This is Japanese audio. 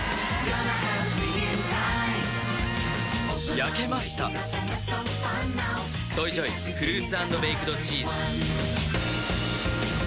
焼けました「ＳＯＹＪＯＹフルーツ＆ベイクドチーズ」